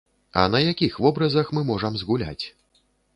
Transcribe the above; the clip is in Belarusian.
А на якіх вобразах мы можам згуляць?